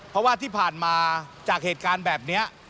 เพราะว่าที่ผ่านมาจากเหตุการณ์แบบนี้